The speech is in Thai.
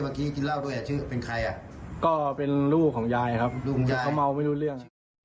เมื่อกี้กินลาวด้วยอะชื่อเป็นใครอะก็เป็นลูกของยายครับลูกของยายเขาเมาไม่รู้เรื่อง